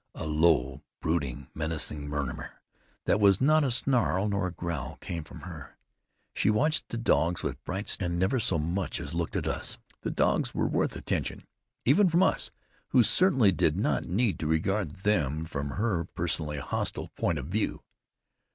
A low, brooding menacing murmur, that was not a snarl nor a growl, came from her. She watched the dogs with bright, steady eyes, and never so much as looked at us. The dogs were worth attention, even from us, who certainly did not need to regard them from her personally hostile point of view.